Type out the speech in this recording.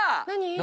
何？